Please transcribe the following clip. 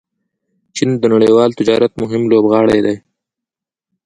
چین د نړیوال تجارت مهم لوبغاړی دی.